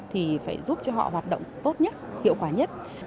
thì phải giúp cho họ hoạt động tốt nhất hiệu quả nhất